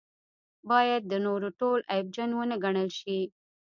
باید د نورو ټول عیبجن ونه ګڼل شي.